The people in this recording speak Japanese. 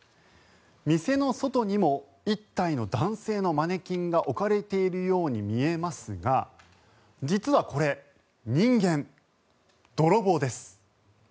店の外にも１体の男性のマネキンが置かれているように見えますが実はこれ人間、泥棒です。